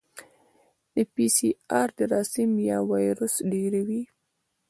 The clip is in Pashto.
د پی سي ار جراثیم یا وایرس ډېروي.